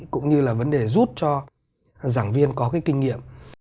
cũng như là vấn đề giúp cho giảng viên có cái kinh nghiệm